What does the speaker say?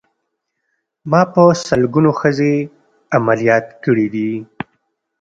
ما په سلګونو ښځې عمليات کړې دي.